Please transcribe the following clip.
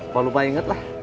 kok lupa inget lah